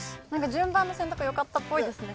順番の選択よかったっぽいですね。